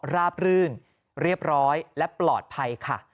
ราบรื่นเรียบร้อยและปลอดภัยค่ะ